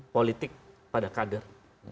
politik pada kader